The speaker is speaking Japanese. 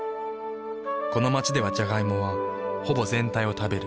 この街ではジャガイモはほぼ全体を食べる。